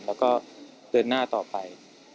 แล้วก็เดินหน้าต่อไป